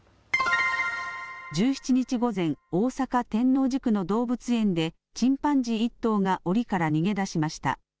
１７日午前、大阪天王寺区の動物園でチンパンジー１頭がおりから逃げ出しました。